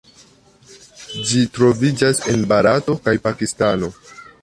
Ĝi troviĝas en Barato kaj Pakistano.